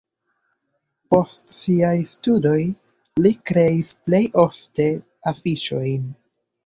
Post siaj studoj li kreis plej ofte afiŝojn.